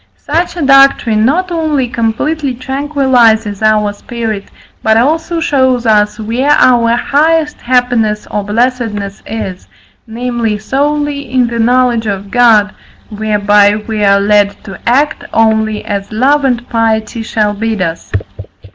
Such a doctrine not only completely tranquilizes our spirit, but also shows us where our highest happiness or blessedness is, namely, solely in the knowledge of God, whereby we are led to act only as love and piety shall bid us.